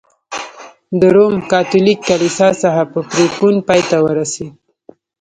د روم کاتولیک کلیسا څخه په پرېکون پای ته ورسېد.